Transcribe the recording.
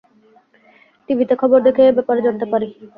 টিভিতে খবর দেখেই এ ব্যাপারে জানতে পারি।